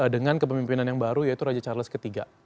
dengan kepemimpinan yang baru yaitu raja charles iii